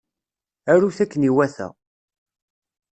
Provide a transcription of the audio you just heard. Arut akken iwata.